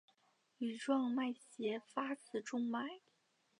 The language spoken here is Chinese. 羽状脉斜发自中脉。